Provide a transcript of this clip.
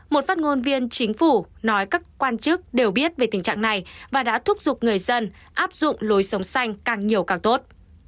một phát ngôn viên chính phủ nói các quan chức đều biết về tình trạng này và đã thúc giục người dân áp dụng lối sống xanh càng nhiều càng tốt